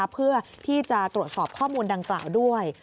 เพื่อที่จะตรวจสอบข้อมูลดังกล่าวด้วย